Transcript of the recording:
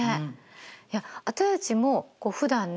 いや私たちもふだんね